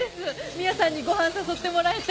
ミアさんにご飯誘ってもらえて。